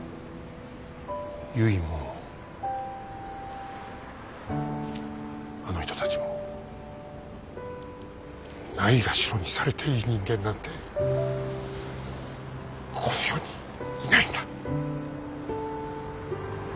ゆいもあの人たちもないがしろにされていい人間なんてこの世にいないんだ。